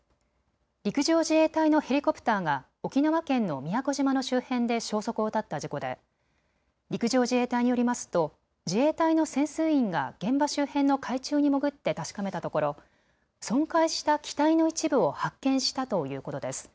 陸上自衛隊のヘリコプターが沖縄県の宮古島の周辺で消息を絶った事故で陸上自衛隊によりますと自衛隊の潜水員が現場周辺の海中に潜って確かめたところ損壊した機体の一部を発見したということです。